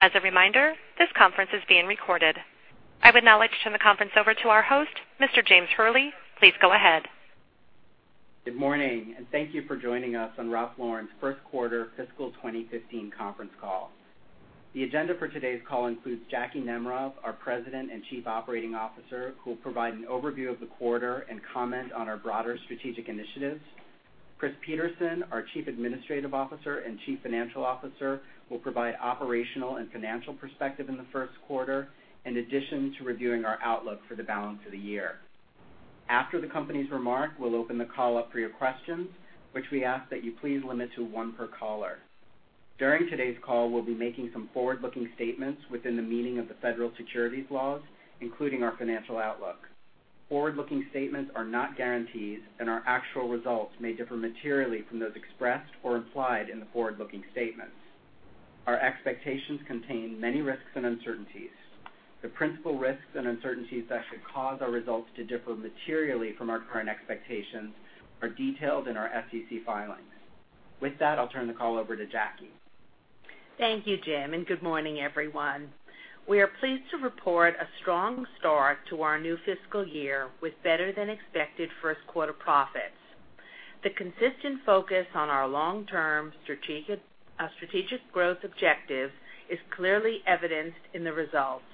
As a reminder, this conference is being recorded. I would now like to turn the conference over to our host, Mr. James Hurley. Please go ahead. Good morning. Thank you for joining us on Ralph Lauren's first quarter fiscal 2015 conference call. The agenda for today's call includes Jacki Nemerov, our President and Chief Operating Officer, who will provide an overview of the quarter and comment on our broader strategic initiatives. Chris Peterson, our Chief Administrative Officer and Chief Financial Officer, will provide operational and financial perspective in the first quarter, in addition to reviewing our outlook for the balance of the year. After the company's remarks, we'll open the call up for your questions, which we ask that you please limit to one per caller. During today's call, we'll be making some forward-looking statements within the meaning of the federal securities laws, including our financial outlook. Forward-looking statements are not guarantees. Our actual results may differ materially from those expressed or implied in the forward-looking statements. Our expectations contain many risks and uncertainties. The principal risks and uncertainties that could cause our results to differ materially from our current expectations are detailed in our SEC filings. With that, I'll turn the call over to Jacki. Thank you, James. Good morning, everyone. We are pleased to report a strong start to our new fiscal year with better than expected first quarter profits. The consistent focus on our long-term strategic growth objective is clearly evidenced in the results.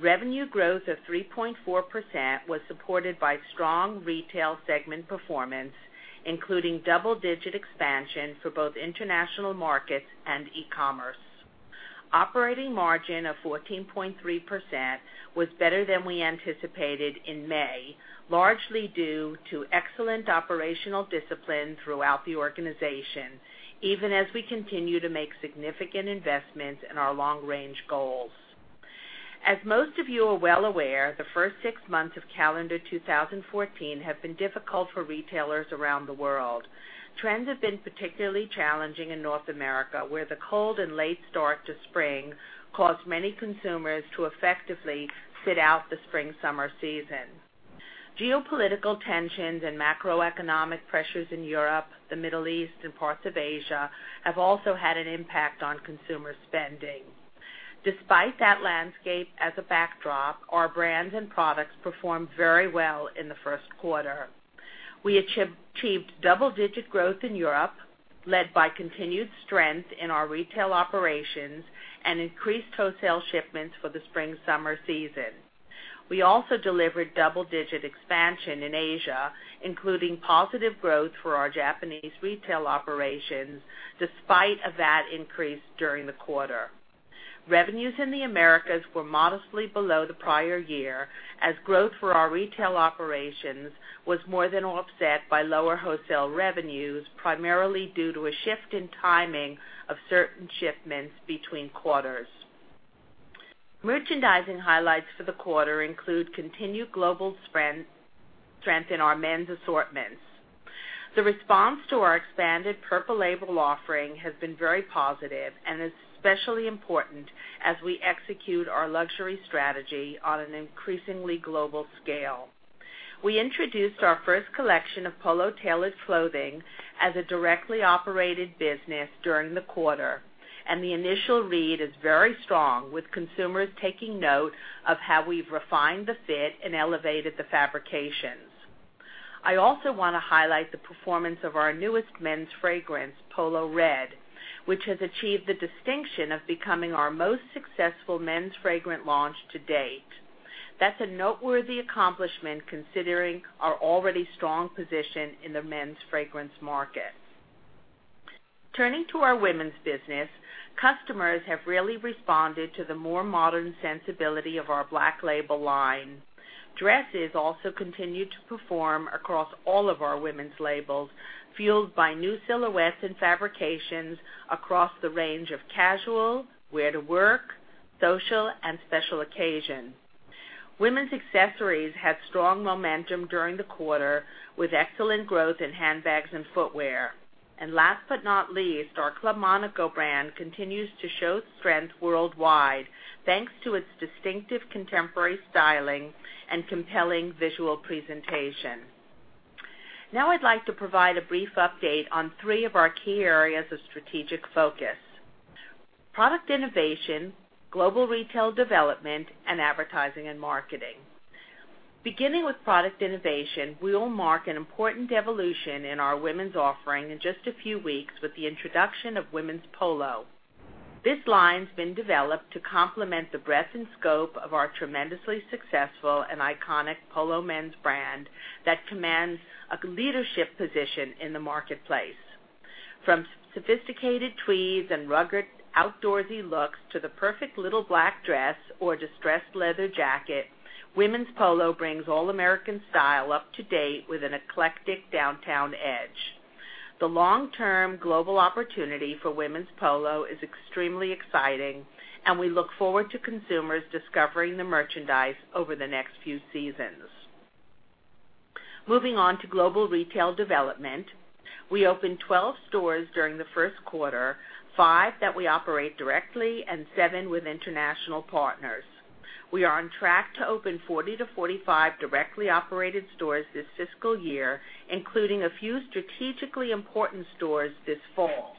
Revenue growth of 3.4% was supported by strong retail segment performance, including double-digit expansion for both international markets and e-commerce. Operating margin of 14.3% was better than we anticipated in May, largely due to excellent operational discipline throughout the organization, even as we continue to make significant investments in our long-range goals. As most of you are well aware, the first six months of calendar 2014 have been difficult for retailers around the world. Trends have been particularly challenging in North America, where the cold and late start to spring caused many consumers to effectively sit out the spring/summer season. Geopolitical tensions and macroeconomic pressures in Europe, the Middle East, and parts of Asia have also had an impact on consumer spending. Despite that landscape as a backdrop, our brands and products performed very well in the first quarter. We achieved double-digit growth in Europe, led by continued strength in our retail operations and increased wholesale shipments for the spring/summer season. We also delivered double-digit expansion in Asia, including positive growth for our Japanese retail operations, despite a VAT increase during the quarter. Revenues in the Americas were modestly below the prior year, as growth for our retail operations was more than offset by lower wholesale revenues, primarily due to a shift in timing of certain shipments between quarters. Merchandising highlights for the quarter include continued global strength in our men's assortments. The response to our expanded Purple Label offering has been very positive and is especially important as we execute our luxury strategy on an increasingly global scale. We introduced our first collection of Polo-tailored clothing as a directly operated business during the quarter, and the initial read is very strong, with consumers taking note of how we've refined the fit and elevated the fabrications. I also want to highlight the performance of our newest men's fragrance, Polo Red, which has achieved the distinction of becoming our most successful men's fragrant launch to date. That's a noteworthy accomplishment considering our already strong position in the men's fragrance market. Turning to our women's business, customers have really responded to the more modern sensibility of our Black Label line. Dresses also continued to perform across all of our women's labels, fueled by new silhouettes and fabrications across the range of casual, wear-to-work, social, and special occasions. Last but not least, our Club Monaco brand continues to show strength worldwide, thanks to its distinctive contemporary styling and compelling visual presentation. Now I'd like to provide a brief update on three of our key areas of strategic focus: product innovation, global retail development, and advertising and marketing. Beginning with product innovation, we will mark an important evolution in our women's offering in just a few weeks with the introduction of Women's Polo. This line's been developed to complement the breadth and scope of our tremendously successful and iconic Polo men's brand that commands a leadership position in the marketplace. From sophisticated tweeds and rugged outdoorsy looks to the perfect little black dress or distressed leather jacket, Women's Polo brings all-American style up to date with an eclectic downtown edge. The long-term global opportunity for Women's Polo is extremely exciting, and we look forward to consumers discovering the merchandise over the next few seasons. Moving on to global retail development, we opened 12 stores during the first quarter, five that we operate directly and seven with international partners. We are on track to open 40-45 directly operated stores this fiscal year, including a few strategically important stores this fall.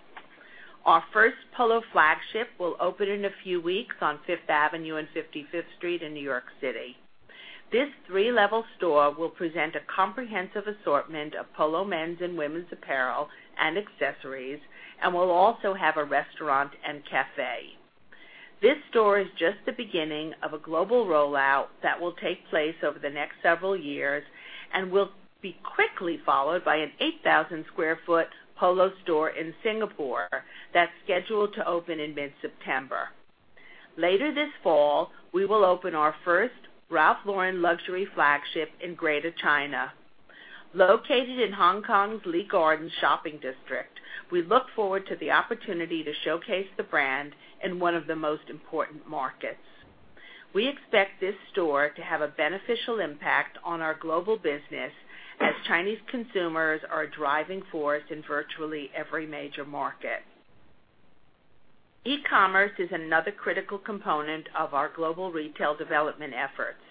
Our first Polo flagship will open in a few weeks on Fifth Avenue and 55th Street in New York City. This three-level store will present a comprehensive assortment of Polo men's and women's apparel and accessories, and will also have a restaurant and cafe. This store is just the beginning of a global rollout that will take place over the next several years, and will be quickly followed by an 8,000 sq ft Polo store in Singapore that's scheduled to open in mid-September. Later this fall, we will open our first Ralph Lauren luxury flagship in Greater China. Located in Hong Kong's Lee Gardens shopping district, we look forward to the opportunity to showcase the brand in one of the most important markets. We expect this store to have a beneficial impact on our global business as Chinese consumers are a driving force in virtually every major market. E-commerce is another critical component of our global retail development efforts.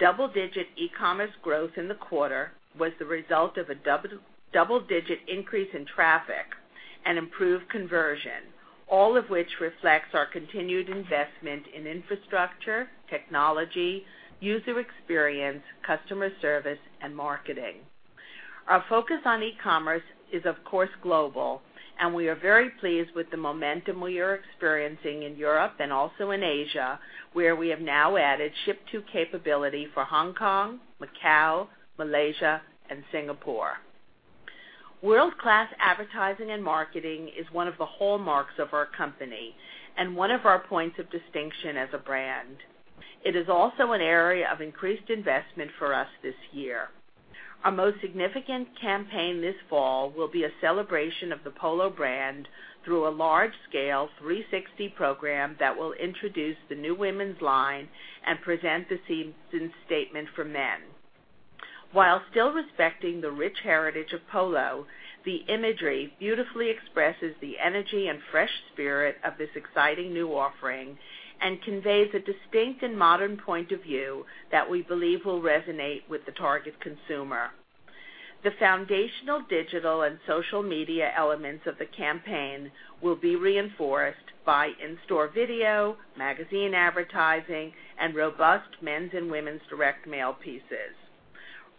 Double-digit e-commerce growth in the quarter was the result of a double-digit increase in traffic and improved conversion, all of which reflects our continued investment in infrastructure, technology, user experience, customer service, and marketing. Our focus on e-commerce is, of course, global, and we are very pleased with the momentum we are experiencing in Europe and also in Asia, where we have now added ship-to capability for Hong Kong, Macau, Malaysia, and Singapore. World-class advertising and marketing is one of the hallmarks of our company and one of our points of distinction as a brand. It is also an area of increased investment for us this year. Our most significant campaign this fall will be a celebration of the Polo brand through a large-scale 360 program that will introduce the new women's line and present the season's statement for men. While still respecting the rich heritage of Polo, the imagery beautifully expresses the energy and fresh spirit of this exciting new offering and conveys a distinct and modern point of view that we believe will resonate with the target consumer. The foundational digital and social media elements of the campaign will be reinforced by in-store video, magazine advertising, and robust men's and women's direct mail pieces.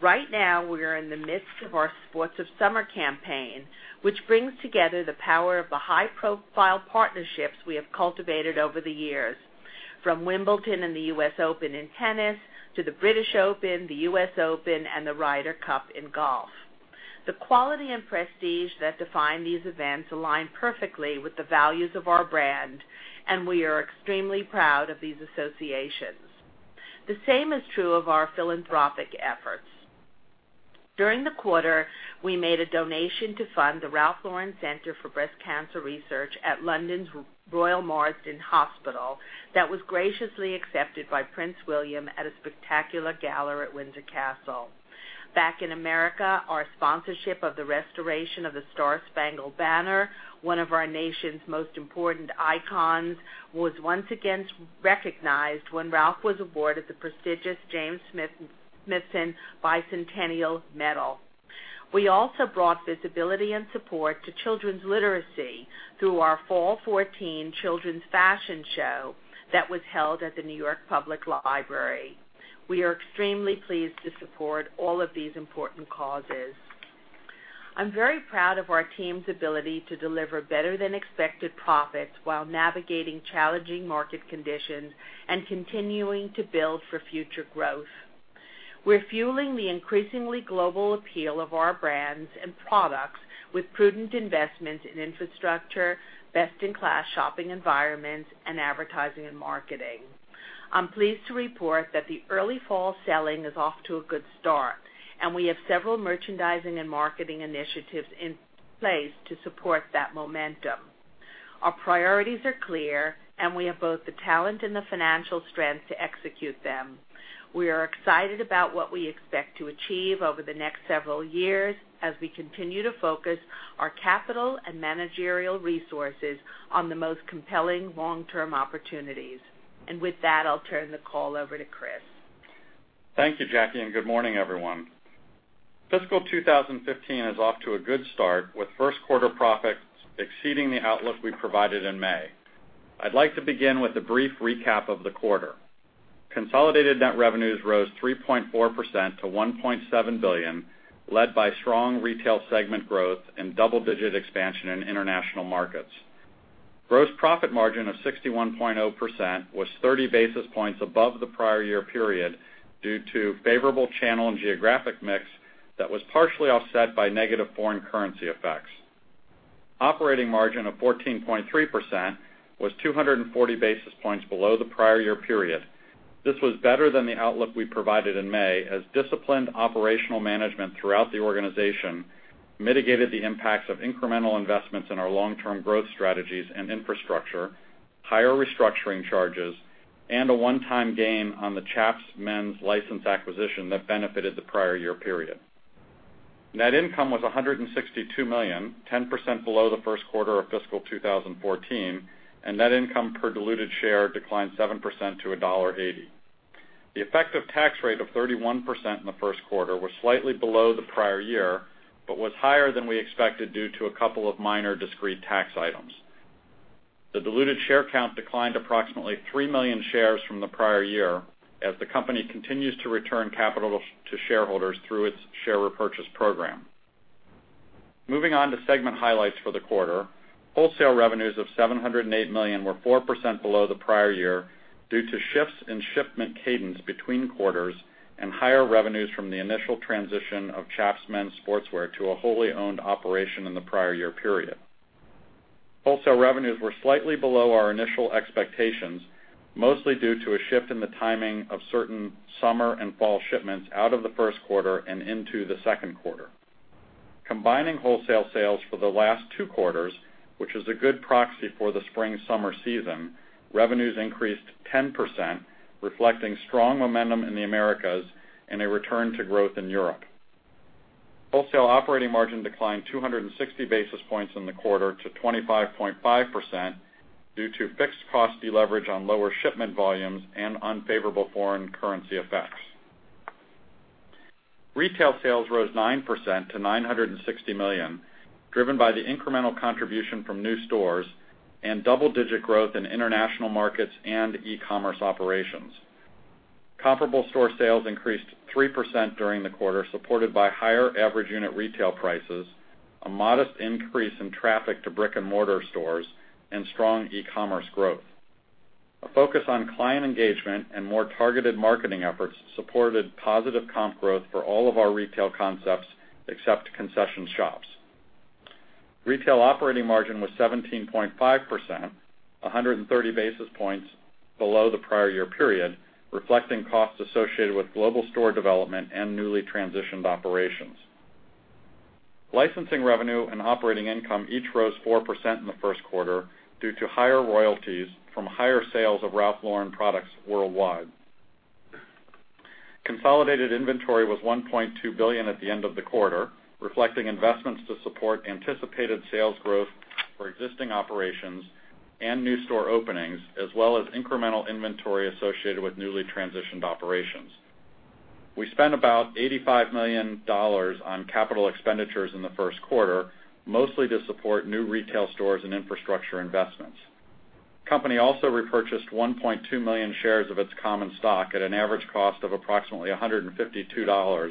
Right now, we are in the midst of our Sports of Summer campaign, which brings together the power of the high-profile partnerships we have cultivated over the years, from Wimbledon and the US Open in tennis to the British Open, the US Open, and the Ryder Cup in golf. The quality and prestige that define these events align perfectly with the values of our brand, and we are extremely proud of these associations. The same is true of our philanthropic efforts. During the quarter, we made a donation to fund the Ralph Lauren Centre for Breast Cancer Research at London's The Royal Marsden Hospital that was graciously accepted by Prince William at a spectacular gala at Windsor Castle. Back in America, our sponsorship of the restoration of the Star-Spangled Banner, one of our nation's most important icons, was once again recognized when Ralph was awarded the prestigious James Smithson Bicentennial Medal. We also brought visibility and support to children's literacy through our Fall 2014 Children's Fashion Show that was held at the New York Public Library. We are extremely pleased to support all of these important causes. I'm very proud of our team's ability to deliver better-than-expected profits while navigating challenging market conditions and continuing to build for future growth. We're fueling the increasingly global appeal of our brands and products with prudent investments in infrastructure, best-in-class shopping environments, and advertising and marketing. I'm pleased to report that the early fall selling is off to a good start, and we have several merchandising and marketing initiatives in place to support that momentum. Our priorities are clear, we have both the talent and the financial strength to execute them. We are excited about what we expect to achieve over the next several years as we continue to focus our capital and managerial resources on the most compelling long-term opportunities. With that, I'll turn the call over to Chris. Thank you, Jacki, good morning, everyone. Fiscal 2015 is off to a good start with first quarter profits exceeding the outlook we provided in May. I'd like to begin with a brief recap of the quarter. Consolidated net revenues rose 3.4% to $1.7 billion, led by strong retail segment growth and double-digit expansion in international markets. Gross profit margin of 61.0% was 30 basis points above the prior year period due to favorable channel and geographic mix that was partially offset by negative foreign currency effects. Operating margin of 14.3% was 240 basis points below the prior year period. This was better than the outlook we provided in May, as disciplined operational management throughout the organization mitigated the impacts of incremental investments in our long-term growth strategies and infrastructure, higher restructuring charges, and a one-time gain on the Chaps men's license acquisition that benefited the prior year period. Net income was $162 million, 10% below the first quarter of fiscal 2014, net income per diluted share declined 7% to $1.80. The effective tax rate of 31% in the first quarter was slightly below the prior year, was higher than we expected due to a couple of minor discrete tax items. The diluted share count declined approximately 3 million shares from the prior year, as the company continues to return capital to shareholders through its share repurchase program. Moving on to segment highlights for the quarter. Wholesale revenues of $708 million were 4% below the prior year due to shifts in shipment cadence between quarters and higher revenues from the initial transition of Chaps Men's Sportswear to a wholly owned operation in the prior year period. Wholesale revenues were slightly below our initial expectations, mostly due to a shift in the timing of certain summer and fall shipments out of the first quarter and into the second quarter. Combining wholesale sales for the last two quarters, which is a good proxy for the spring-summer season, revenues increased 10%, reflecting strong momentum in the Americas and a return to growth in Europe. Wholesale operating margin declined 260 basis points in the quarter to 25.5% due to fixed cost deleverage on lower shipment volumes and unfavorable foreign currency effects. Retail sales rose 9% to $960 million, driven by the incremental contribution from new stores and double-digit growth in international markets and e-commerce operations. Comparable Store Sales increased 3% during the quarter, supported by higher average unit retail prices, a modest increase in traffic to brick-and-mortar stores, and strong e-commerce growth. A focus on client engagement and more targeted marketing efforts supported positive comp growth for all of our retail concepts except concession shops. Retail operating margin was 17.5%, 130 basis points below the prior year period, reflecting costs associated with global store development and newly transitioned operations. Licensing revenue and operating income each rose 4% in the first quarter due to higher royalties from higher sales of Ralph Lauren products worldwide. Consolidated inventory was $1.2 billion at the end of the quarter, reflecting investments to support anticipated sales growth for existing operations and new store openings, as well as incremental inventory associated with newly transitioned operations. We spent about $85 million on capital expenditures in the first quarter, mostly to support new retail stores and infrastructure investments. Company also repurchased 1.2 million shares of its common stock at an average cost of approximately $152,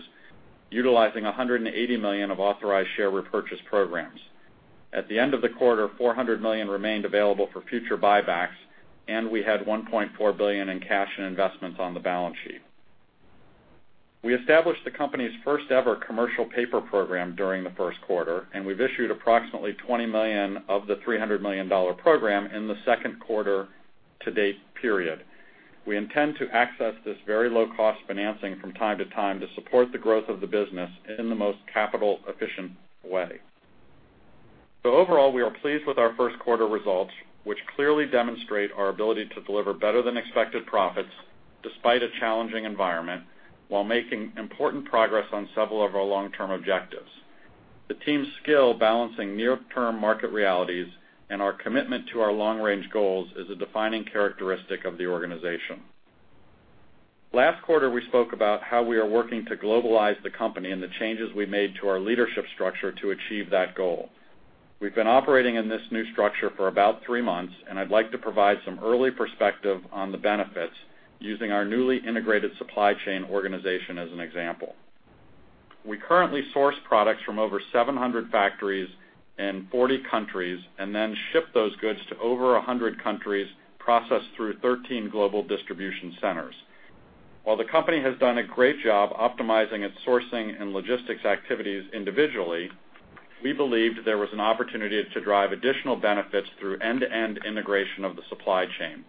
utilizing $180 million of authorized share repurchase programs. At the end of the quarter, $400 million remained available for future buybacks, and we had $1.4 billion in cash and investments on the balance sheet. We established the company's first-ever commercial paper program during the first quarter, and we've issued approximately $20 million of the $300 million program in the second quarter to date period. We intend to access this very low-cost financing from time to time to support the growth of the business in the most capital-efficient way. Overall, we are pleased with our first quarter results, which clearly demonstrate our ability to deliver better than expected profits despite a challenging environment while making important progress on several of our long-term objectives. The team's skill balancing near-term market realities and our commitment to our long-range goals is a defining characteristic of the organization. Last quarter, we spoke about how we are working to globalize the company and the changes we made to our leadership structure to achieve that goal. We've been operating in this new structure for about three months, and I'd like to provide some early perspective on the benefits using our newly integrated supply chain organization as an example. We currently source products from over 700 factories in 40 countries, and then ship those goods to over 100 countries, processed through 13 global distribution centers. While the company has done a great job optimizing its sourcing and logistics activities individually, we believed there was an opportunity to drive additional benefits through end-to-end integration of the supply chain.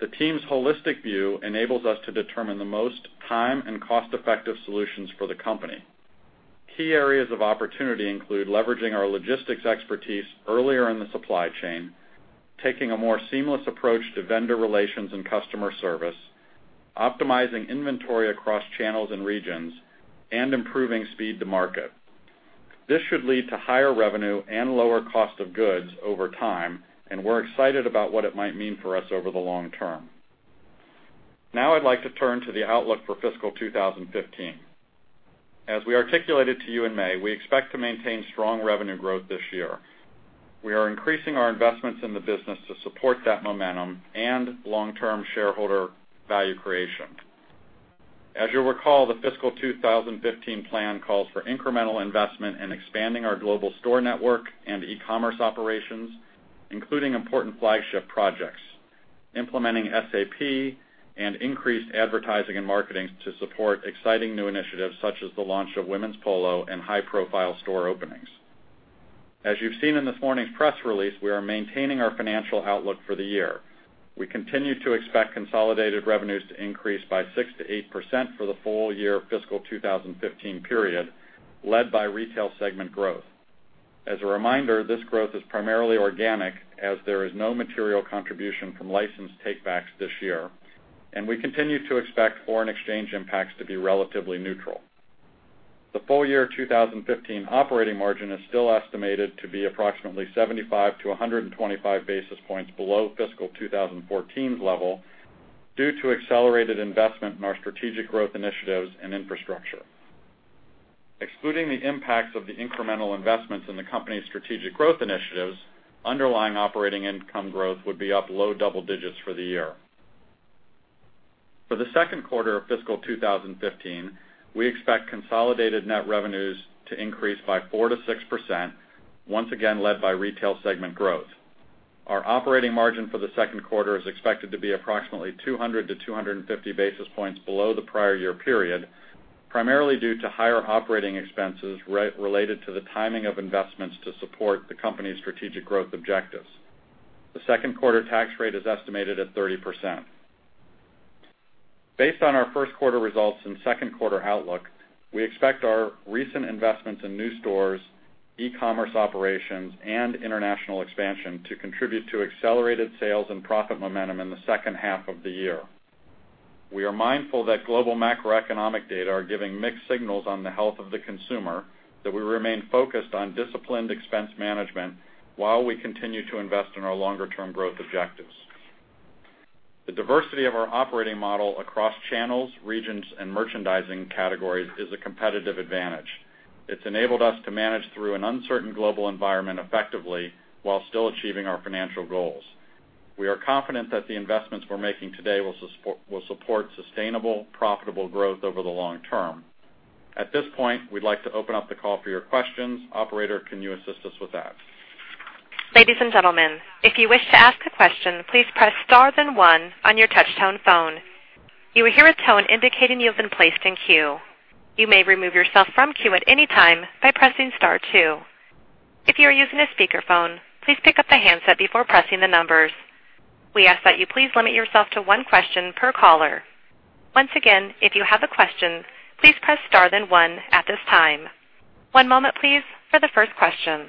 The team's holistic view enables us to determine the most time and cost-effective solutions for the company. Key areas of opportunity include leveraging our logistics expertise earlier in the supply chain, taking a more seamless approach to vendor relations and customer service, optimizing inventory across channels and regions, and improving speed to market. This should lead to higher revenue and lower cost of goods over time, and we're excited about what it might mean for us over the long term. Now I'd like to turn to the outlook for fiscal 2015. As we articulated to you in May, we expect to maintain strong revenue growth this year. We are increasing our investments in the business to support that momentum and long-term shareholder value creation. As you'll recall, the fiscal 2015 plan calls for incremental investment in expanding our global store network and e-commerce operations, including important flagship projects, implementing SAP, and increased advertising and marketing to support exciting new initiatives, such as the launch of Women's Polo and high-profile store openings. As you've seen in this morning's press release, we are maintaining our financial outlook for the year. We continue to expect consolidated revenues to increase by 6%-8% for the full year fiscal 2015 period, led by retail segment growth. As a reminder, this growth is primarily organic as there is no material contribution from license take backs this year, and we continue to expect foreign exchange impacts to be relatively neutral. The full year 2015 operating margin is still estimated to be approximately 75-125 basis points below fiscal 2014's level due to accelerated investment in our strategic growth initiatives and infrastructure. Excluding the impacts of the incremental investments in the company's strategic growth initiatives, underlying operating income growth would be up low double digits for the year. For the second quarter of fiscal 2015, we expect consolidated net revenues to increase by 4%-6%, once again led by retail segment growth. Our operating margin for the second quarter is expected to be approximately 200-250 basis points below the prior year period, primarily due to higher operating expenses related to the timing of investments to support the company's strategic growth objectives. The second quarter tax rate is estimated at 30%. Based on our first quarter results and second quarter outlook, we expect our recent investments in new stores, e-commerce operations, and international expansion to contribute to accelerated sales and profit momentum in the second half of the year. We are mindful that global macroeconomic data are giving mixed signals on the health of the consumer, that we remain focused on disciplined expense management while we continue to invest in our longer-term growth objectives. The diversity of our operating model across channels, regions, and merchandising categories is a competitive advantage. It's enabled us to manage through an uncertain global environment effectively while still achieving our financial goals. We are confident that the investments we're making today will support sustainable, profitable growth over the long term. At this point, we'd like to open up the call for your questions. Operator, can you assist us with that? Ladies and gentlemen, if you wish to ask a question, please press star then one on your touch tone phone. You will hear a tone indicating you have been placed in queue. You may remove yourself from queue at any time by pressing star two. If you are using a speakerphone, please pick up the handset before pressing the numbers. We ask that you please limit yourself to one question per caller. Once again, if you have a question, please press star then one at this time. One moment, please, for the first question.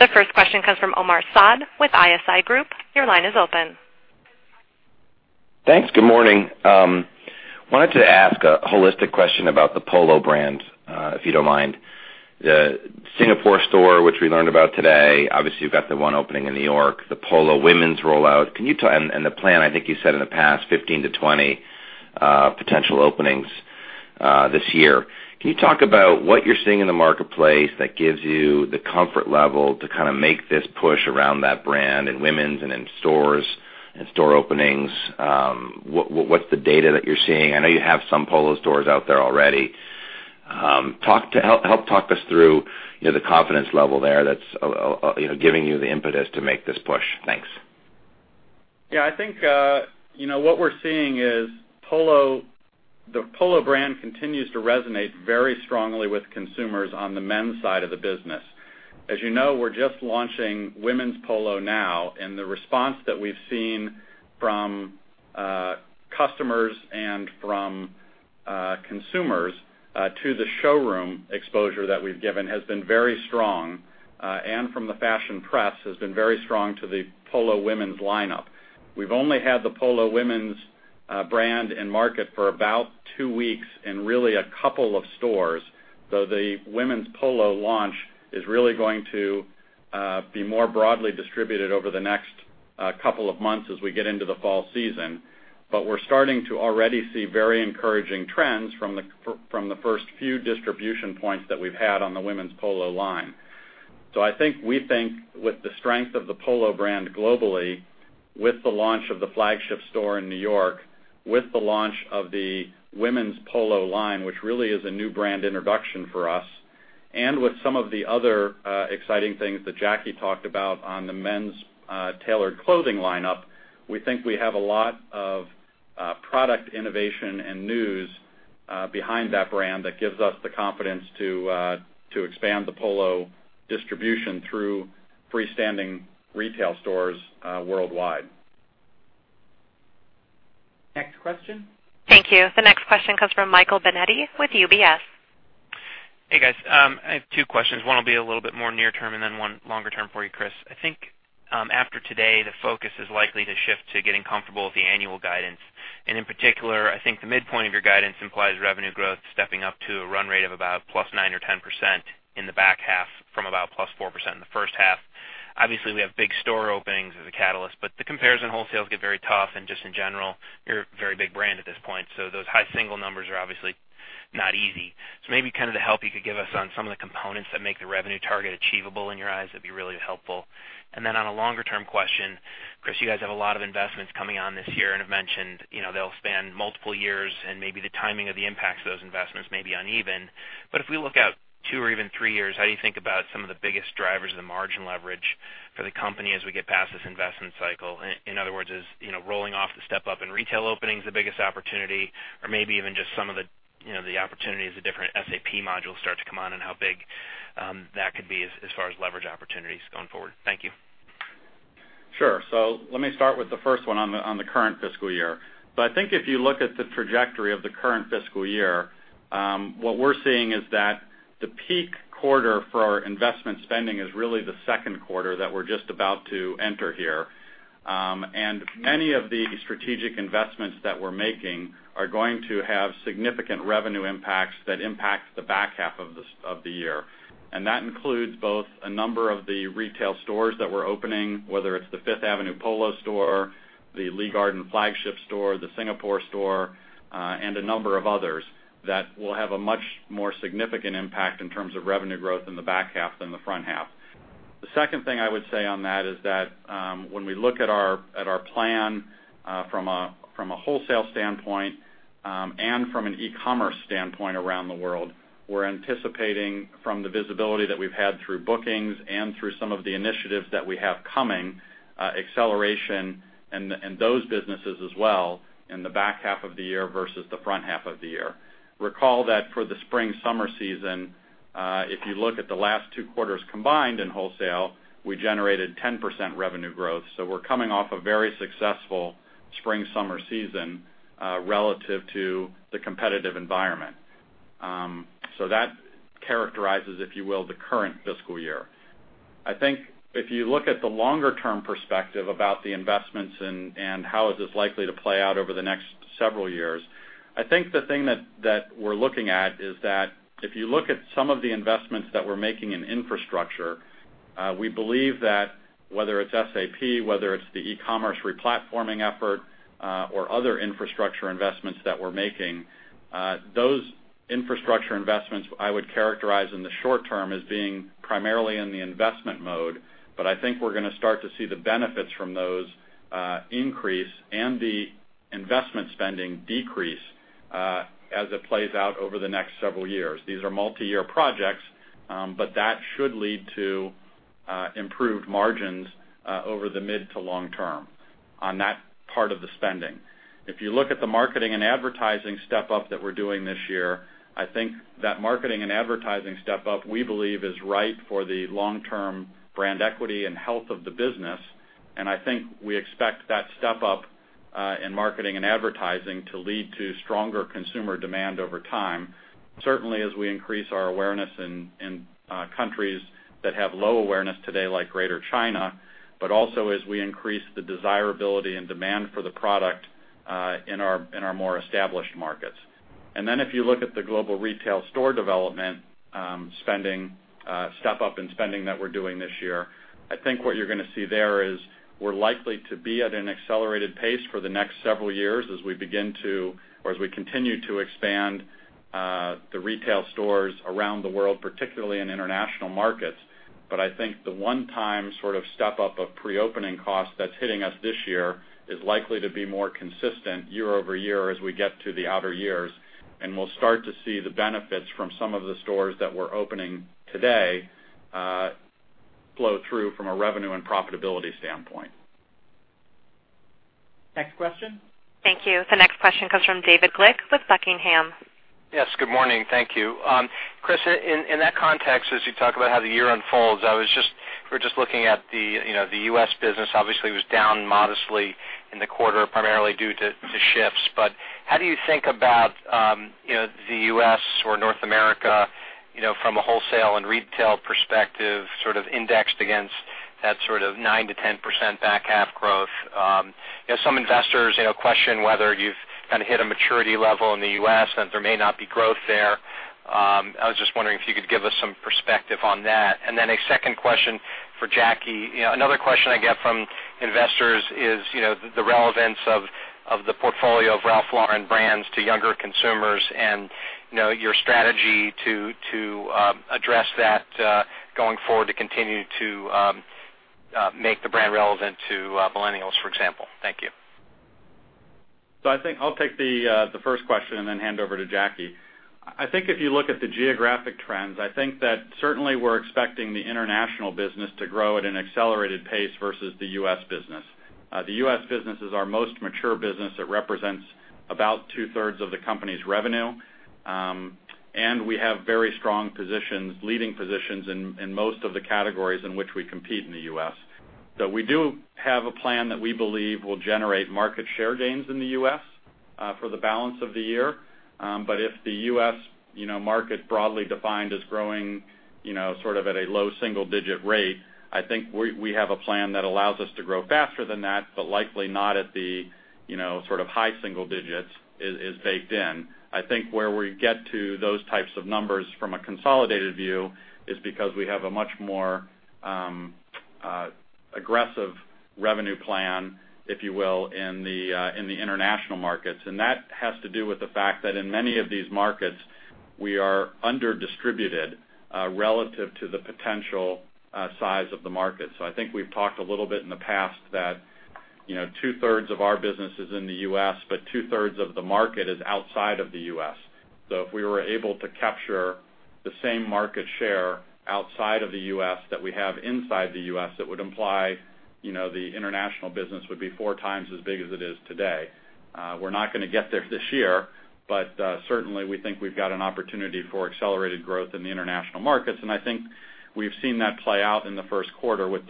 The first question comes from Omar Saad with ISI Group. Your line is open. Thanks. Good morning. Wanted to ask a holistic question about the Polo brand, if you don't mind. The Singapore store, which we learned about today. Obviously, you've got the one opening in New York, the Polo Women's rollout, and the plan, I think you said in the past 15-20 potential openings this year. Can you talk about what you're seeing in the marketplace that gives you the comfort level to kind of make this push around that brand in women's and in stores and store openings? What's the data that you're seeing? I know you have some Polo stores out there already. Help talk us through the confidence level there that's giving you the impetus to make this push. Thanks. Yeah, I think what we're seeing is the Polo brand continues to resonate very strongly with consumers on the men's side of the business. As you know, we're just launching Women's Polo now, and the response that we've seen from customers and from consumers to the showroom exposure that we've given has been very strong, and from the fashion press has been very strong to the Polo Women's lineup. We've only had the Polo Women's brand in market for about two weeks in really a couple of stores, so the Women's Polo launch is really going to be more broadly distributed over the next couple of months as we get into the fall season. We're starting to already see very encouraging trends from the first few distribution points that we've had on the Women's Polo line. I think we think with the strength of the Polo brand globally, with the launch of the flagship store in New York, with the launch of the Women's Polo line, which really is a new brand introduction for us, and with some of the other exciting things that Jacki talked about on the men's tailored clothing lineup, we think we have a lot of product innovation and news behind that brand that gives us the confidence to expand the Polo distribution through freestanding retail stores worldwide. Next question. Thank you. The next question comes from Michael Binetti with UBS. Hey, guys. I have two questions. One will be a little bit more near term and then one longer term for you, Chris. I think after today, the focus is likely to shift to getting comfortable with the annual guidance. In particular, I think the midpoint of your guidance implies revenue growth stepping up to a run rate of about +9% or 10% in the back half from about +4% in the first half. Obviously, we have big store openings as a catalyst, but the comparison wholesale gets very tough and just in general, you're a very big brand at this point. Those high single numbers are obviously not easy. Maybe help you could give us on some of the components that make the revenue target achievable in your eyes, that'd be really helpful. On a longer-term question, Chris, you guys have a lot of investments coming on this year and have mentioned they'll span multiple years and maybe the timing of the impacts of those investments may be uneven. If we look out two or even three years, how do you think about some of the biggest drivers of the margin leverage for the company as we get past this investment cycle? In other words, is rolling off the step up in retail openings the biggest opportunity? Maybe even just some of the opportunities the different SAP modules start to come on and how big that could be as far as leverage opportunities going forward. Thank you. Sure. Let me start with the first one on the current fiscal year. I think if you look at the trajectory of the current fiscal year, what we're seeing is that the peak quarter for our investment spending is really the second quarter that we're just about to enter here. Many of the strategic investments that we're making are going to have significant revenue impacts that impact the back half of the year. That includes both a number of the retail stores that we're opening, whether it's the Fifth Avenue Polo store, the Lee Gardens flagship store, the Singapore store, and a number of others that will have a much more significant impact in terms of revenue growth in the back half than the front half. The second thing I would say on that is that, when we look at our plan from a wholesale standpoint and from an e-commerce standpoint around the world, we're anticipating from the visibility that we've had through bookings and through some of the initiatives that we have coming, acceleration in those businesses as well in the back half of the year versus the front half of the year. Recall that for the spring-summer season, if you look at the last two quarters combined in wholesale, we generated 10% revenue growth. We're coming off a very successful spring-summer season relative to the competitive environment. That characterizes, if you will, the current fiscal year. If you look at the longer-term perspective about the investments and how is this likely to play out over the next several years, the thing that we're looking at is that if you look at some of the investments that we're making in infrastructure, we believe that whether it's SAP, whether it's the e-commerce re-platforming effort, or other infrastructure investments that we're making, those infrastructure investments, I would characterize in the short term as being primarily in the investment mode. I think we're going to start to see the benefits from those increase and the investment spending decrease, as it plays out over the next several years. These are multi-year projects, that should lead to improved margins over the mid to long term on that part of the spending. If you look at the marketing and advertising step-up that we're doing this year, I think that marketing and advertising step-up, we believe is right for the long-term brand equity and health of the business. I think we expect that step-up in marketing and advertising to lead to stronger consumer demand over time. Certainly, as we increase our awareness in countries that have low awareness today, like Greater China, also as we increase the desirability and demand for the product in our more established markets. If you look at the global retail store development step-up in spending that we're doing this year, I think what you're going to see there is we're likely to be at an accelerated pace for the next several years as we continue to expand the retail stores around the world, particularly in international markets. I think the one-time sort of step-up of pre-opening cost that's hitting us this year is likely to be more consistent year-over-year as we get to the outer years. We'll start to see the benefits from some of the stores that we're opening today flow through from a revenue and profitability standpoint. Next question. Thank you. The next question comes from David Glick with Buckingham. Yes. Good morning. Thank you. Chris, in that context, as you talk about how the year unfolds, we're just looking at the U.S. business obviously was down modestly in the quarter, primarily due to shifts. How do you think about the U.S. or North America from a wholesale and retail perspective, sort of indexed against that sort of 9%-10% back half growth? Some investors question whether you've kind of hit a maturity level in the U.S. that there may not be growth there. I was just wondering if you could give us some perspective on that. A second question for Jacki. Another question I get from investors is the relevance of the portfolio of Ralph Lauren brands to younger consumers and your strategy to address that going forward to continue to make the brand relevant to millennials, for example. Thank you. I think I'll take the first question and then hand over to Jacki. I think if you look at the geographic trends, I think that certainly we're expecting the international business to grow at an accelerated pace versus the U.S. business. The U.S. business is our most mature business. It represents about two-thirds of the company's revenue. We have very strong positions, leading positions in most of the categories in which we compete in the U.S. We do have a plan that we believe will generate market share gains in the U.S. for the balance of the year. If the U.S. market broadly defined as growing at a low single-digit rate, I think we have a plan that allows us to grow faster than that, but likely not at the sort of high single digits is baked in. I think where we get to those types of numbers from a consolidated view is because we have a much more aggressive revenue plan, if you will, in the international markets. That has to do with the fact that in many of these markets, we are under-distributed relative to the potential size of the market. I think we've talked a little bit in the past that two-thirds of our business is in the U.S., but two-thirds of the market is outside of the U.S. If we were able to capture the same market share outside of the U.S. that we have inside the U.S., it would imply the international business would be four times as big as it is today. We're not going to get there this year, but certainly we think we've got an opportunity for accelerated growth in the international markets. We've seen that play out in the first quarter with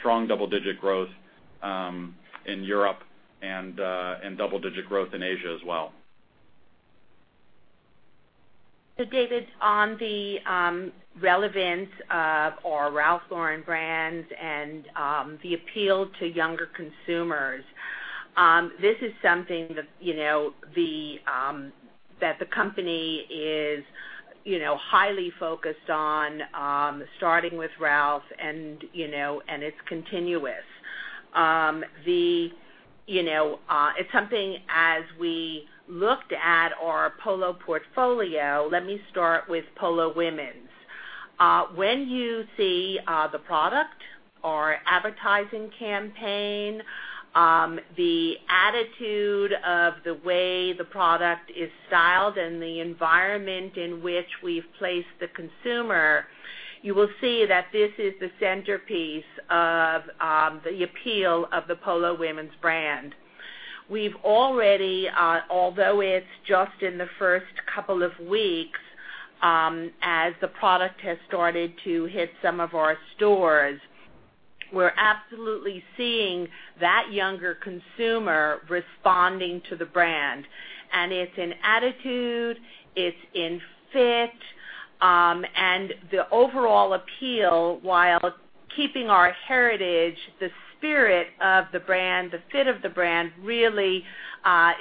strong double-digit growth in Europe and double-digit growth in Asia as well. David, on the relevance of our Ralph Lauren brands and the appeal to younger consumers, this is something that the company is highly focused on, starting with Ralph and it's continuous. It's something as we looked at our Polo portfolio, let me start with Polo women's. When you see the product, our advertising campaign, the attitude of the way the product is styled, and the environment in which we've placed the consumer, you will see that this is the centerpiece of the appeal of the Polo women's brand. Although it's just in the first couple of weeks, as the product has started to hit some of our stores, we're absolutely seeing that younger consumer responding to the brand. It's in attitude, it's in fit, and the overall appeal while keeping our heritage, the spirit of the brand, the fit of the brand really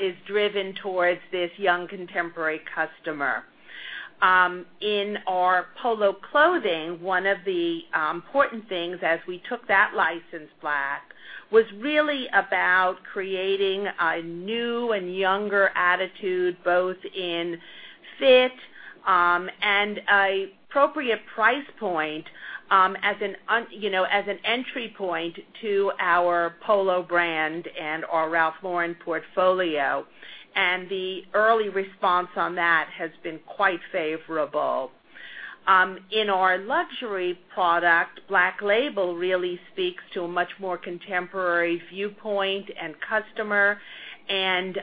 is driven towards this young contemporary customer. In our Polo clothing, one of the important things as we took that license, Black Label, was really about creating a new and younger attitude, both in fit, and appropriate price point as an entry point to our Polo brand and our Ralph Lauren portfolio. The early response on that has been quite favorable. In our luxury product, Black Label really speaks to a much more contemporary viewpoint and customer, and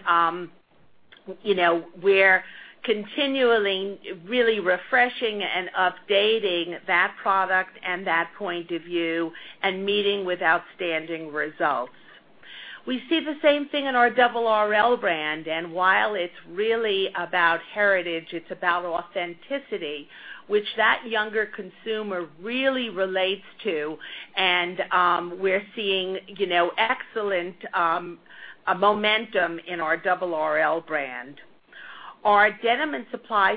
we're continually really refreshing and updating that product and that point of view and meeting with outstanding results. We see the same thing in our Double RL brand, and while it's really about heritage, it's about authenticity, which that younger consumer really relates to. We're seeing excellent momentum in our Double RL brand. Our Denim & Supply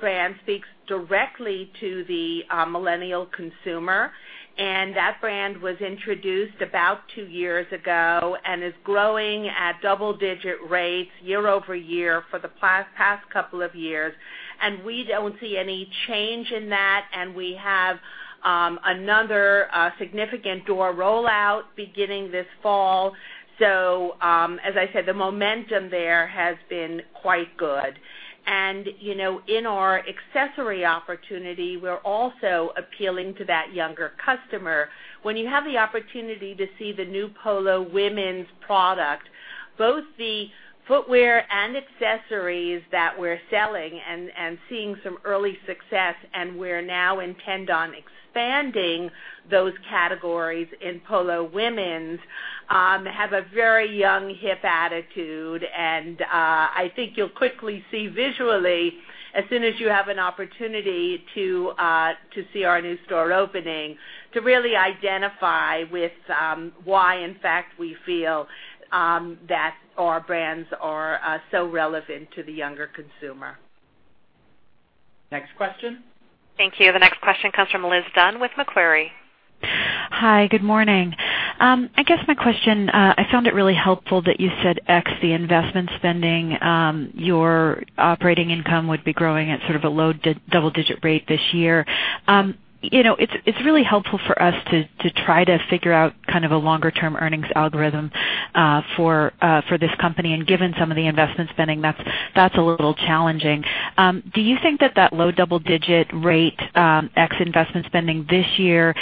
brand speaks directly to the millennial consumer, and that brand was introduced about two years ago and is growing at double-digit rates year-over-year for the past couple of years, and we don't see any change in that, and we have another significant door rollout beginning this fall. As I said, the momentum there has been quite good. In our accessory opportunity, we're also appealing to that younger customer. When you have the opportunity to see the new Polo women's product, both the footwear and accessories that we're selling and seeing some early success, and we're now intent on expanding those categories in Polo women's, have a very young, hip attitude. I think you'll quickly see visually, as soon as you have an opportunity to see our new store opening, to really identify with why in fact we feel that our brands are so relevant to the younger consumer. Next question. Thank you. The next question comes from Liz Dunn with Macquarie. Hi, good morning. I guess my question, I found it really helpful that you said X the investment spending, your operating income would be growing at sort of a low double-digit rate this year. It's really helpful for us to try to figure out a longer-term earnings algorithm for this company, and given some of the investment spending, that's a little challenging. Do you think that that low double-digit rate ex investment spending this year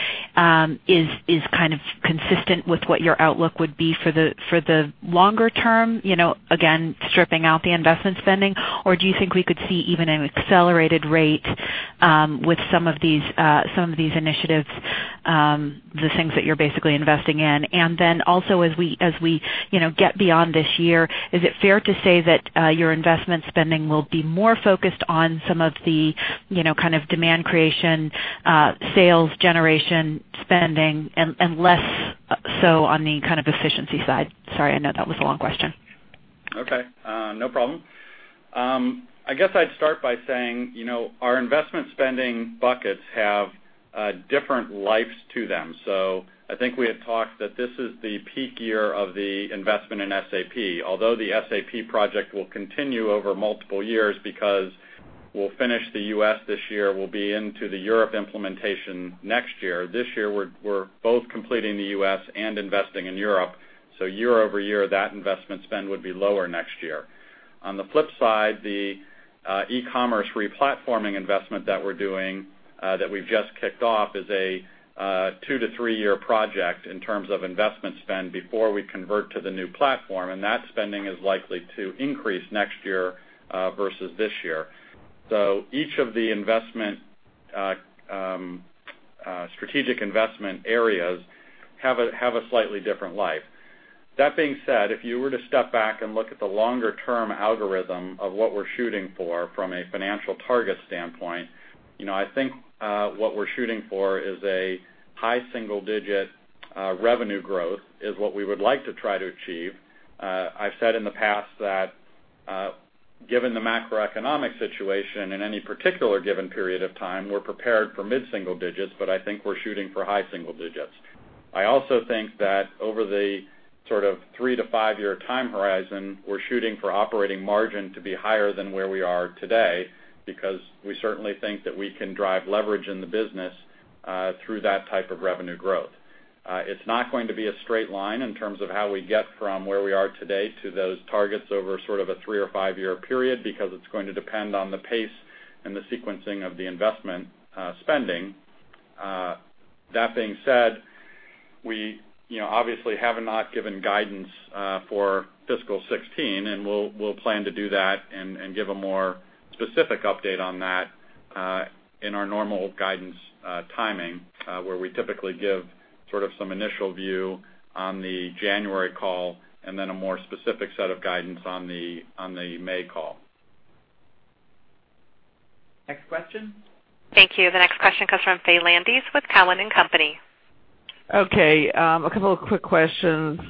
is kind of consistent with what your outlook would be for the longer term, again, stripping out the investment spending? Do you think we could see even an accelerated rate with some of these initiatives, the things that you're basically investing in? Also as we get beyond this year, is it fair to say that your investment spending will be more focused on some of the demand creation, sales generation spending, and less so on the efficiency side? Sorry, I know that was a long question. Okay, no problem. I guess I'd start by saying our investment spending buckets have different lives to them. I think we had talked that this is the peak year of the investment in SAP, although the SAP project will continue over multiple years because we'll finish the U.S. this year, we'll be into the Europe implementation next year. This year, we're both completing the U.S. and investing in Europe. Year-over-year, that investment spend would be lower next year. On the flip side, the e-commerce re-platforming investment that we're doing, that we've just kicked off, is a two to three-year project in terms of investment spend before we convert to the new platform, and that spending is likely to increase next year versus this year. Each of the investment strategic investment areas have a slightly different life. That being said, if you were to step back and look at the longer-term algorithm of what we're shooting for from a financial target standpoint, I think what we're shooting for is a high single-digit revenue growth is what we would like to try to achieve. I've said in the past that given the macroeconomic situation in any particular given period of time, we're prepared for mid-single digits, but I think we're shooting for high single digits. I also think that over the sort of three to five-year time horizon, we're shooting for operating margin to be higher than where we are today because we certainly think that we can drive leverage in the business through that type of revenue growth. It's not going to be a straight line in terms of how we get from where we are today to those targets over sort of a three or five-year period, because it's going to depend on the pace and the sequencing of the investment spending. That being said, we obviously have not given guidance for fiscal 2016, and we'll plan to do that and give a more specific update on that in our normal guidance timing, where we typically give sort of some initial view on the January call, and then a more specific set of guidance on the May call. Next question. Thank you. The next question comes from Faye Landes with Cowen and Company. Okay. A couple of quick questions.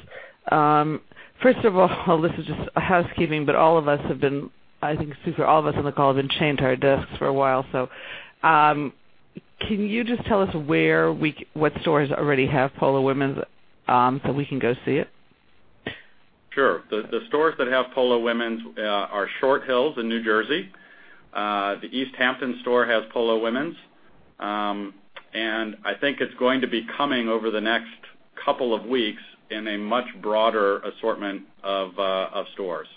First of all, this is just housekeeping, but all of us have been, I think, since all of us on the call have been chained to our desks for a while. Can you just tell us what stores already have Polo Women's, so we can go see it? Sure. The stores that have Polo Women's are Short Hills in New Jersey. The East Hampton store has Polo Women's. I think it's going to be coming over the next couple of weeks in a much broader assortment of stores.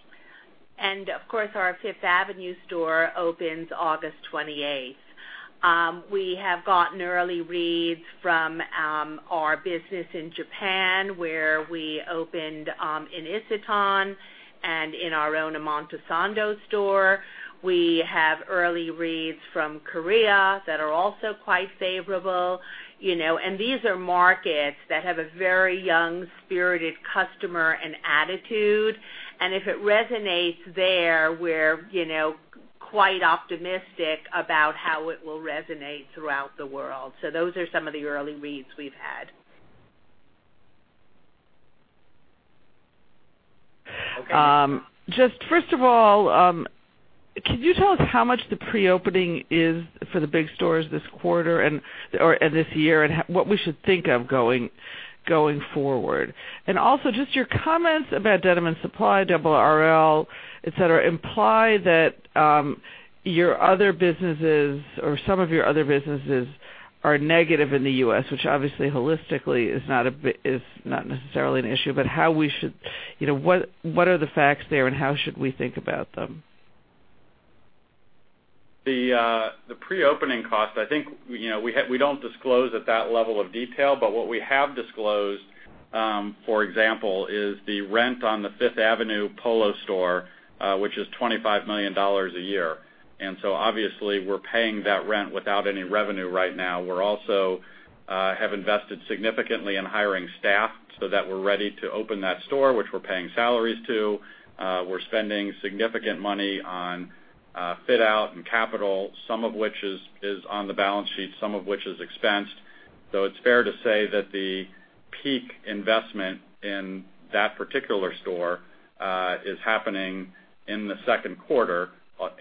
Of course, our Fifth Avenue store opens August 28th. We have gotten early reads from our business in Japan, where we opened in Isetan and in our own Omotesando store. We have early reads from Korea that are also quite favorable. These are markets that have a very young-spirited customer and attitude, and if it resonates there, we're quite optimistic about how it will resonate throughout the world. Those are some of the early reads we've had. Just first of all, can you tell us how much the pre-opening is for the big stores this quarter or this year, and what we should think of going forward? Also, just your comments about Denim & Supply, Double RL, et cetera, imply that your other businesses or some of your other businesses are negative in the U.S., which obviously holistically is not necessarily an issue. What are the facts there, and how should we think about them? The pre-opening cost. I think, we don't disclose at that level of detail. What we have disclosed, for example, is the rent on the Fifth Avenue Polo store, which is $25 million a year. Obviously, we're paying that rent without any revenue right now. We also have invested significantly in hiring staff so that we're ready to open that store, which we're paying salaries to. We're spending significant money on fit-out and capital, some of which is on the balance sheet, some of which is expensed. It's fair to say that the peak investment in that particular store is happening in the second quarter,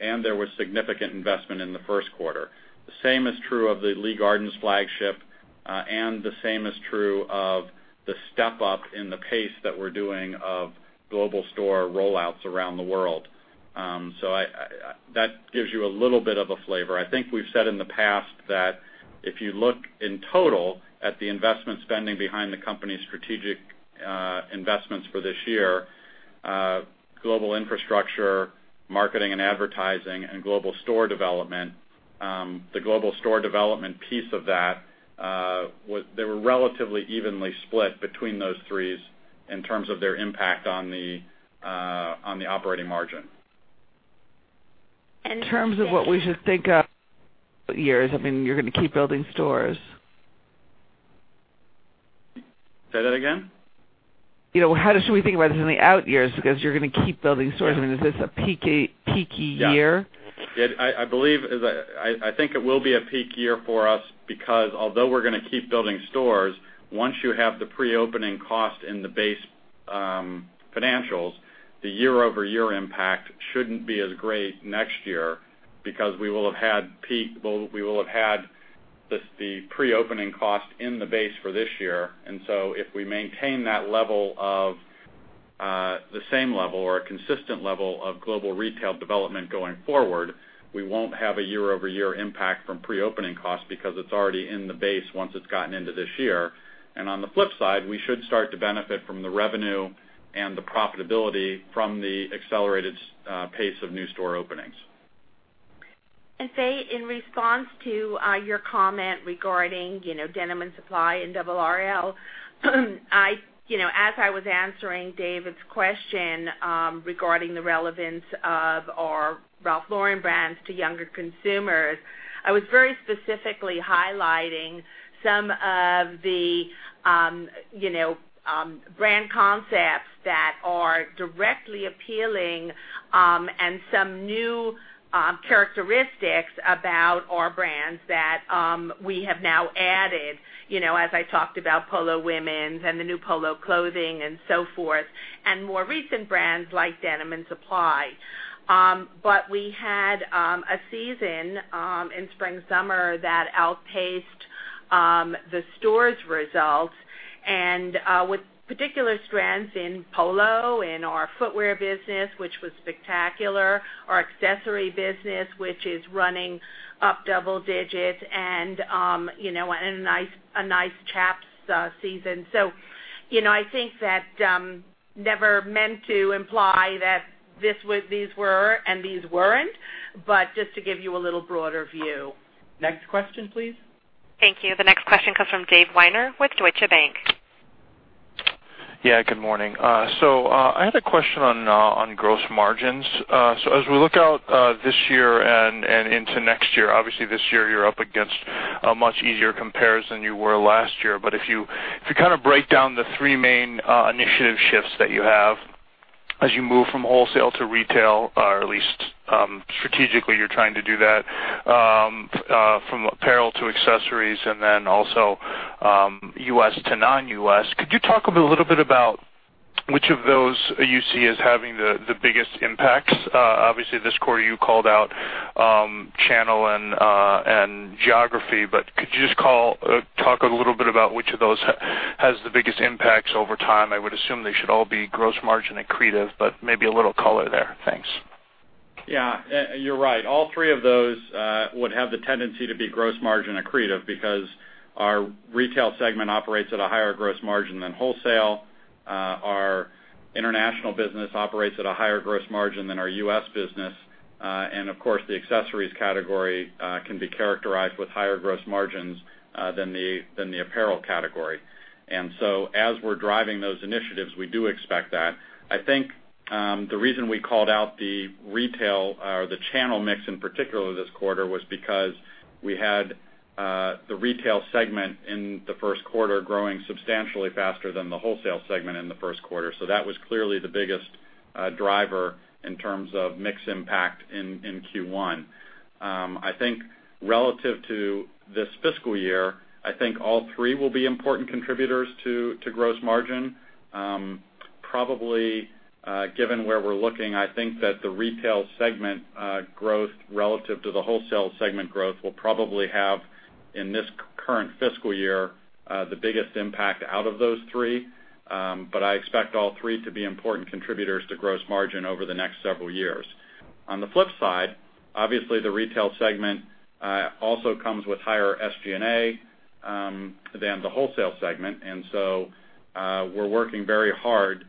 and there was significant investment in the first quarter. The same is true of the Lee Gardens flagship. The same is true of the step-up in the pace that we're doing of global store rollouts around the world. That gives you a little bit of a flavor. I think we've said in the past that if you look in total at the investment spending behind the company's strategic investments for this year, global infrastructure, marketing and advertising, and global store development, the global store development piece of that, they were relatively evenly split between those three in terms of their impact on the operating margin. And- In terms of what we should think of years, I mean, you're gonna keep building stores. Say that again. How should we think about this in the out years? You're gonna keep building stores. I mean, is this a peaky year? Yeah. I think it will be a peak year for us because although we're gonna keep building stores, once you have the pre-opening cost in the base financials, the year-over-year impact shouldn't be as great next year because we will have had the pre-opening cost in the base for this year. If we maintain that level of the same level or a consistent level of global retail development going forward, we won't have a year-over-year impact from pre-opening costs because it's already in the base once it's gotten into this year. On the flip side, we should start to benefit from the revenue and the profitability from the accelerated pace of new store openings. Faye, in response to your comment regarding Denim & Supply and Double RL, as I was answering David's question regarding the relevance of our Ralph Lauren brands to younger consumers, I was very specifically highlighting some of the brand concepts that are directly appealing, and some new characteristics about our brands that we have now added, as I talked about Women's Polo and the new Polo clothing and so forth, and more recent brands like Denim & Supply. We had a season in spring-summer that outpaced the stores results, and with particular strengths in Polo, in our footwear business, which was spectacular, our accessory business, which is running up double digit, and a nice Chaps season. I think that never meant to imply that these were and these weren't, but just to give you a little broader view. Next question, please. Thank you. The next question comes from Dave Weiner with Deutsche Bank. Good morning. I had a question on gross margins. As we look out this year and into next year, obviously this year you're up against a much easier comparison you were last year. If you kind of break down the three main initiative shifts that you have as you move from wholesale to retail, or at least, strategically you're trying to do that, from apparel to accessories, and then also, U.S. to non-U.S., could you talk a little bit about which of those you see as having the biggest impacts? Obviously, this quarter you called out channel and geography, but could you just talk a little bit about which of those has the biggest impacts over time? I would assume they should all be gross margin accretive, but maybe a little color there. Thanks. Yeah. You're right. All three of those would have the tendency to be gross margin accretive because our retail segment operates at a higher gross margin than wholesale. Our international business operates at a higher gross margin than our U.S. business. Of course, the accessories category can be characterized with higher gross margins than the apparel category. As we're driving those initiatives, we do expect that. I think the reason we called out the retail or the channel mix, in particular this quarter, was because we had the retail segment in the first quarter growing substantially faster than the wholesale segment in the first quarter. That was clearly the biggest driver in terms of mix impact in Q1. I think relative to this fiscal year, I think all three will be important contributors to gross margin. Probably, given where we're looking, I think that the retail segment growth relative to the wholesale segment growth will probably have, in this current fiscal year, the biggest impact out of those three. I expect all three to be important contributors to gross margin over the next several years. On the flip side, obviously, the retail segment also comes with higher SG&A than the wholesale segment. We're working very hard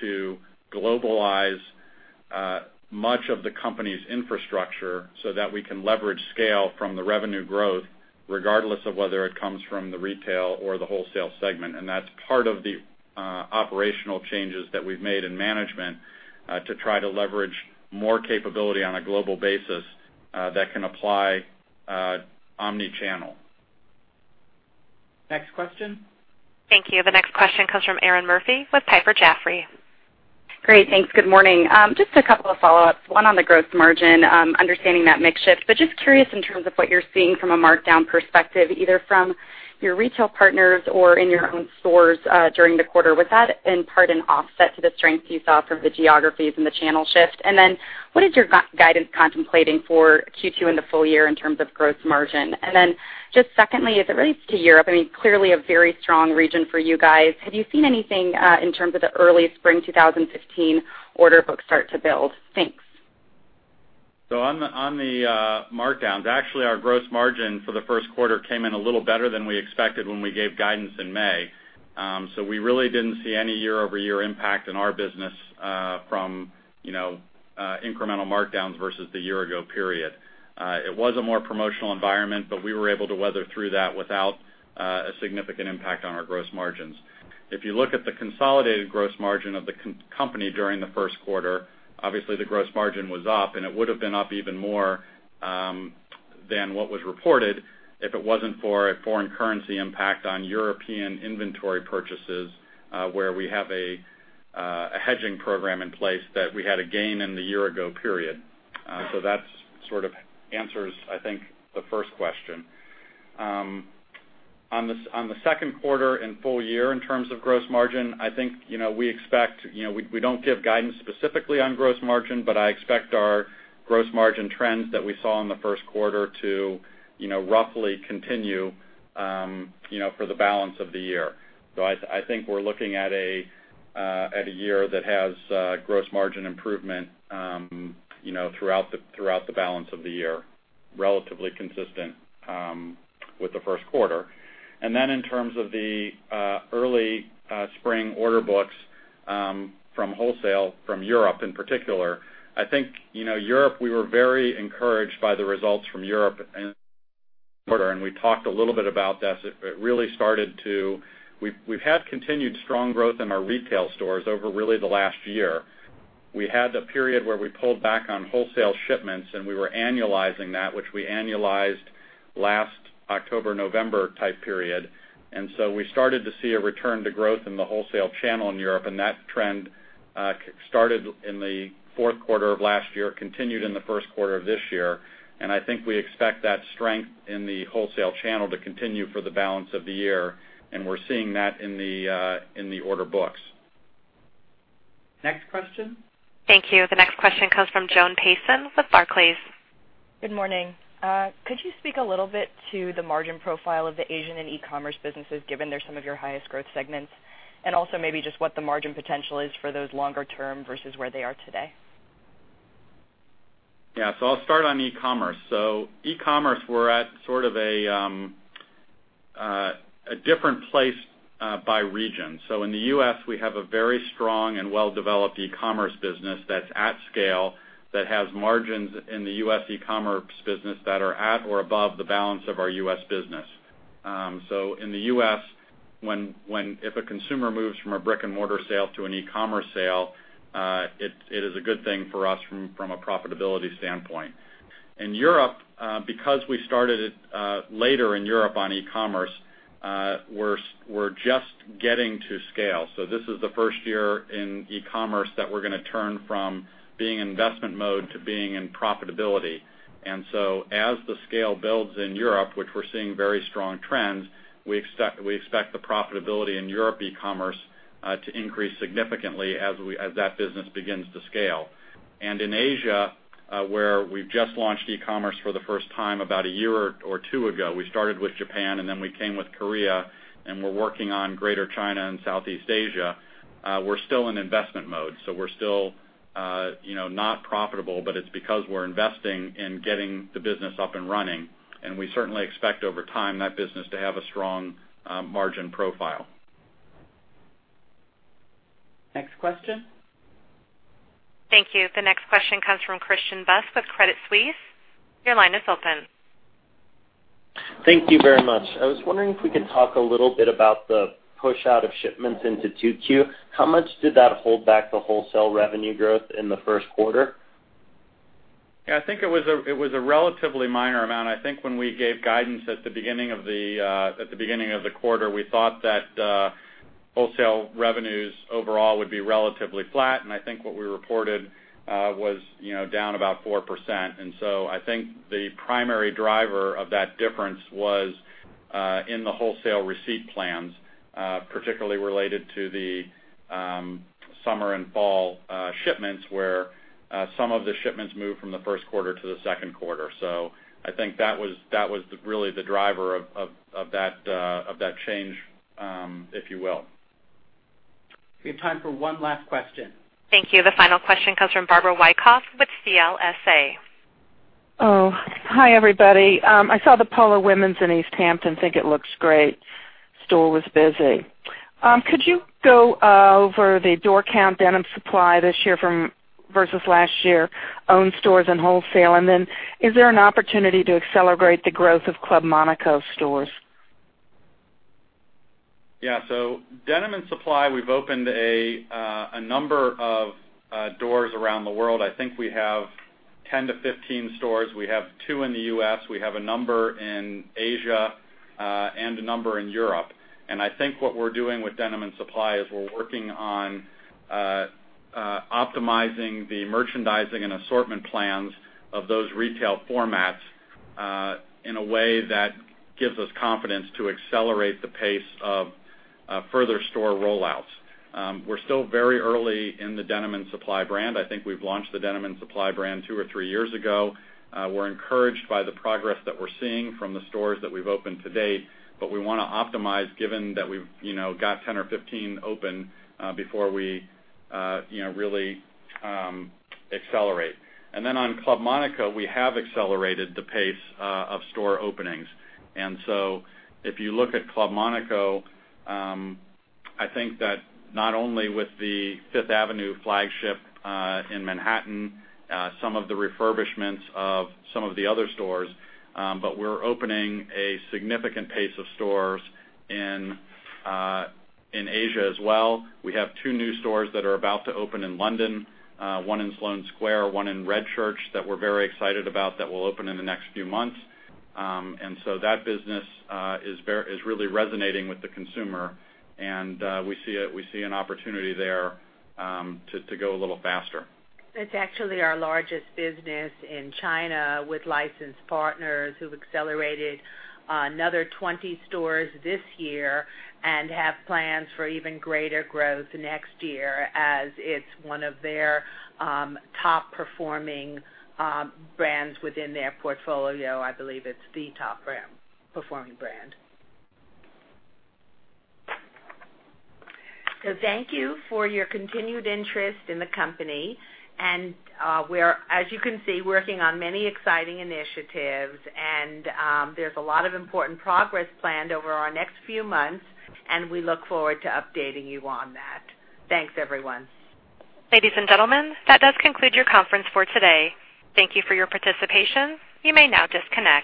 to globalize much of the company's infrastructure so that we can leverage scale from the revenue growth, regardless of whether it comes from the retail or the wholesale segment. That's part of the operational changes that we've made in management, to try to leverage more capability on a global basis that can apply omni-channel. Next question. Thank you. The next question comes from Erinn Murphy with Piper Jaffray. Great. Thanks. Good morning. Just a couple of follow-ups. One on the gross margin, understanding that mix shift. Just curious in terms of what you're seeing from a markdown perspective, either from your retail partners or in your own stores during the quarter. Was that in part an offset to the strength you saw from the geographies and the channel shift? What is your guidance contemplating for Q2 and the full year in terms of gross margin? Just secondly, as it relates to Europe, clearly a very strong region for you guys, have you seen anything in terms of the early spring 2015 order book start to build? Thanks. On the markdowns, actually, our gross margin for the first quarter came in a little better than we expected when we gave guidance in May. We really didn't see any year-over-year impact in our business from incremental markdowns versus the year ago period. It was a more promotional environment, but we were able to weather through that without a significant impact on our gross margins. If you look at the consolidated gross margin of the company during the first quarter, obviously the gross margin was up, and it would have been up even more than what was reported if it wasn't for a foreign currency impact on European inventory purchases, where we have a hedging program in place that we had a gain in the year ago period. That sort of answers, I think, the first question. On the second quarter and full year in terms of gross margin, we don't give guidance specifically on gross margin, but I expect our gross margin trends that we saw in the first quarter to roughly continue for the balance of the year. I think we're looking at a year that has gross margin improvement throughout the balance of the year, relatively consistent with the first quarter. In terms of the early spring order books From wholesale from Europe in particular. I think Europe, we were very encouraged by the results from Europe in quarter, and we talked a little bit about this. We've had continued strong growth in our retail stores over really the last year. We had the period where we pulled back on wholesale shipments, and we were annualizing that which we annualized last October, November type period. We started to see a return to growth in the wholesale channel in Europe, and that trend started in the fourth quarter of last year, continued in the first quarter of this year. I think we expect that strength in the wholesale channel to continue for the balance of the year, and we're seeing that in the order books. Next question. Thank you. The next question comes from Joan Payson with Barclays. Good morning. Could you speak a little bit to the margin profile of the Asian and e-commerce businesses, given they're some of your highest growth segments? Also maybe just what the margin potential is for those longer term versus where they are today. Yeah. I'll start on e-commerce. E-commerce, we're at sort of a different place by region. In the U.S., we have a very strong and well-developed e-commerce business that's at scale, that has margins in the U.S. e-commerce business that are at or above the balance of our U.S. business. In the U.S., if a consumer moves from a brick-and-mortar sale to an e-commerce sale, it is a good thing for us from a profitability standpoint. In Europe, because we started it later in Europe on e-commerce, we're just getting to scale. This is the first year in e-commerce that we're going to turn from being in investment mode to being in profitability. As the scale builds in Europe, which we're seeing very strong trends, we expect the profitability in Europe e-commerce to increase significantly as that business begins to scale. In Asia, where we've just launched e-commerce for the first time about a year or two ago. We started with Japan, we came with Korea, we're working on Greater China and Southeast Asia. We're still in investment mode, we're still not profitable, it's because we're investing in getting the business up and running. We certainly expect over time that business to have a strong margin profile. Next question. Thank you. The next question comes from Christian Buss with Credit Suisse. Your line is open. Thank you very much. I was wondering if we could talk a little bit about the push out of shipments into 2Q. How much did that hold back the wholesale revenue growth in the first quarter? Yeah, I think it was a relatively minor amount. I think when we gave guidance at the beginning of the quarter, we thought that wholesale revenues overall would be relatively flat, and I think what we reported was down about 4%. I think the primary driver of that difference was in the wholesale receipt plans, particularly related to the summer and fall shipments where some of the shipments moved from the first quarter to the second quarter. I think that was really the driver of that change, if you will. We have time for one last question. Thank you. The final question comes from Barbara Wyckoff with CLSA. Hi, everybody. I saw the Polo Women's in East Hampton. Think it looks great. Store was busy. Could you go over the door count Denim & Supply this year versus last year, owned stores and wholesale? Then is there an opportunity to accelerate the growth of Club Monaco stores? Yeah. Denim & Supply, we've opened a number of doors around the world. I think we have 10-15 stores. We have two in the U.S., we have a number in Asia, and a number in Europe. I think what we're doing with Denim & Supply is we're working on optimizing the merchandising and assortment plans of those retail formats, in a way that gives us confidence to accelerate the pace of further store rollouts. We're still very early in the Denim & Supply brand. I think we've launched the Denim & Supply brand two or three years ago. We're encouraged by the progress that we're seeing from the stores that we've opened to date, but we want to optimize, given that we've got 10 or 15 open, before we really accelerate. Then on Club Monaco, we have accelerated the pace of store openings. If you look at Club Monaco, I think that not only with the Fifth Avenue flagship in Manhattan, some of the refurbishments of some of the other stores, but we're opening a significant pace of stores in Asia as well. We have two new stores that are about to open in London, one in Sloane Square, one in Redchurch Street, that we're very excited about that will open in the next few months. That business is really resonating with the consumer, and we see an opportunity there to go a little faster. It's actually our largest business in China with licensed partners who've accelerated another 20 stores this year and have plans for even greater growth next year as it's one of their top-performing brands within their portfolio. I believe it's the top-performing brand. Thank you for your continued interest in the company, and we're, as you can see, working on many exciting initiatives. There's a lot of important progress planned over our next few months, and we look forward to updating you on that. Thanks, everyone. Ladies and gentlemen, that does conclude your conference for today. Thank you for your participation. You may now disconnect.